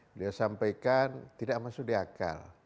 beliau sampaikan tidak masuk di akal